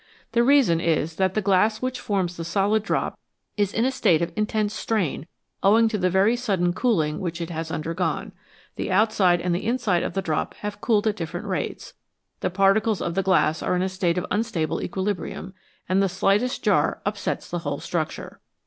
The reason is that the glass which forms the solid drop is in a state of intense strain owing to the very sudden cooling which it has undergone ; the outside and the inside of the drop have cooled at different rates, the particles of the glass are in a state of unstable equilibrium, and the slightest jar upsets the whole structure.